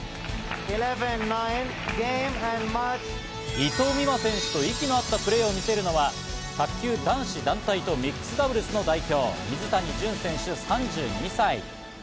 伊藤美誠選手と息の合ったプレーを見せるのは卓球男子団体とミックスダブルスの代表を水谷隼選手、３２歳。